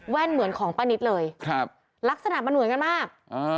เหมือนของป้านิตเลยครับลักษณะมันเหมือนกันมาก